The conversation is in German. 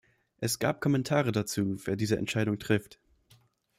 Es gab Kommentare dazu, wer diese Entscheidung trifft.